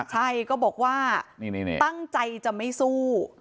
ใช่ก็บอกว่าตั้งใจจะไม่สู้